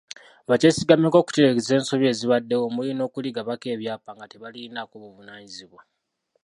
Bakyesigameko okutereeza ensobi ezibaddewo omuli n’okuligabako ebyapa nga tebalirinaako buvunaanyizibwa.